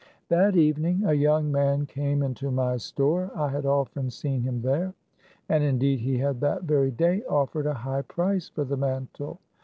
That evening a young man came into my store I had often seen him there, and, indeed, he had that very day offered a high price for the man tle.